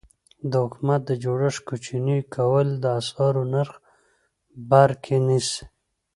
د حکومت د جوړښت کوچني کول د اسعارو نرخ بر کې نیسي.